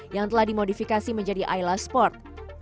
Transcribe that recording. yang telah dimodifikasi menjadi ayla sport